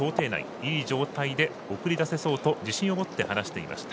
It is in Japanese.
いい状態で送り出せそうと自信を持って話をしていました。